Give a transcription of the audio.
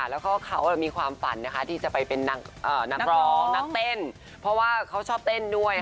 แล้วพ่อคมฝันตัวตัวตัวที่จะไปเป็นนำรองนำเต้นเพราะว่าเขาชอบเต้นด้วย